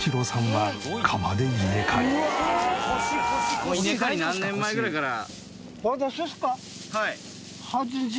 はい。